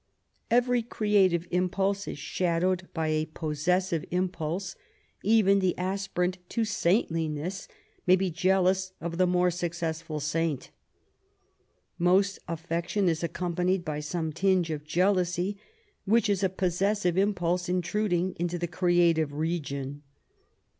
Every creative impulse is shadowed by a possessive impulse; even the aspirant to saintliness may be jealous of the more successful saint. Most affection is accompanied by some tinge of jealousy, which is a possessive impulse intruding into the creative region.